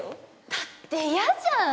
だって嫌じゃん！